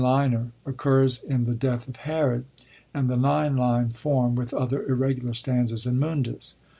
The IS liner occurs in the Death of Herod, and the 9 line form with other irregular stanzas in Mvmdus.